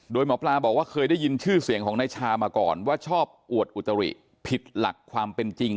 โดยหมอปลาบอกว่าเคยได้ยินชื่อเสียงของนายชามาก่อนว่าชอบอวดอุตริผิดหลักความเป็นจริง